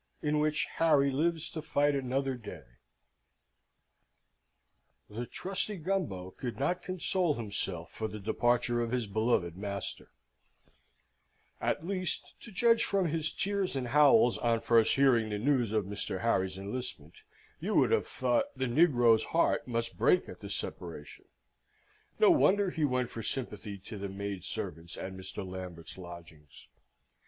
In which Harry lives to fight another Day The trusty Gumbo could not console himself for the departure of his beloved master: at least, to judge from his tears and howls on first hearing the news of Mr. Harry's enlistment, you would have thought the negro's heart must break at the separation. No wonder he went for sympathy to the maid servants at Mr. Lambert's lodgings.